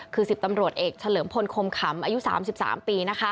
คือ๑๐ตำรวจเอกเฉลิมพลคมขำอายุ๓๓ปี